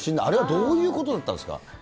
あれはどういうことだったんですか？